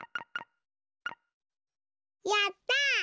やった！